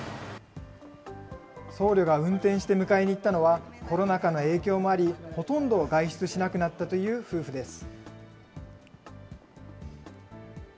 僧侶が運転して迎えに行ったのは、コロナ禍の影響もあり、ほとんど外出しなくなったという夫婦です。